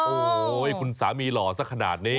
โอ้โหคุณสามีหล่อสักขนาดนี้